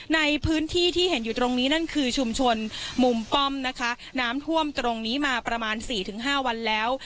ในพื้นที่ที่เห็นอยู่ตรงนี้นั่นคือชุมชนมุมป้อมนะคะน้ำท่วมตรงนี้มาประมาณสี่ถึงห้าวันแล้ว